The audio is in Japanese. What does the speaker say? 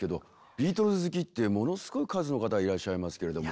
ビートルズ好きってものすごい数の方いらっしゃいますけれども。